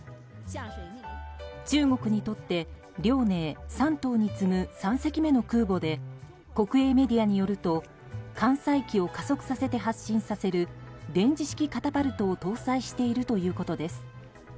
中国にとって「遼寧」「山東」に次ぐ３隻目の空母で国営メディアによると艦載機を加速させて発進させる電磁式カタパルトを搭載しているということです。